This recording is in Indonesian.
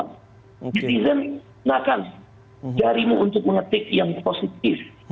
netizen tidak akan mengetik jari yang positif